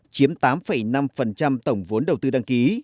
chiếm tám năm tổng vốn đầu tư đăng ký